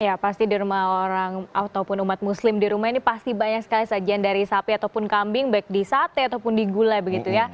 ya pasti di rumah orang ataupun umat muslim di rumah ini pasti banyak sekali sajian dari sapi ataupun kambing baik di sate ataupun di gula begitu ya